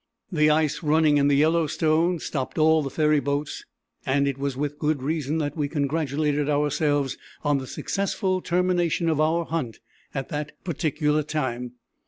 The ice running in the Yellowstone stopped all the ferry boats, and it was with good reason that we congratulated ourselves on the successful termination of our hunt at that particular time.